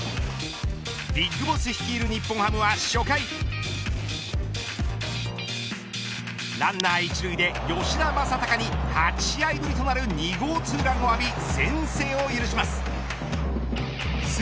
ＢＩＧＢＯＳＳ率いる日本ハムは初回ランナー１塁で吉田正尚に８試合ぶりとなる２号ツーランを浴び先制を許します。